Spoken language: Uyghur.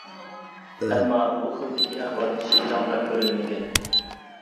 ئەمما بۇ خىلدىكى ئەھۋال شىنجاڭدا كۆرۈلمىگەن.